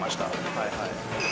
はいはい。